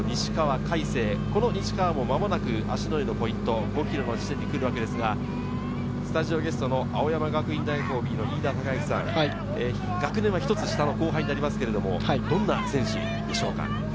魁星、この西川もまもなく芦之湯ポイント、５ｋｍの地点に来るわけですが、スタジオゲスト、青山学院大学ＯＢ・飯田貴之さん、学年は１つ下の後輩ですが、どんな選手でしょうか？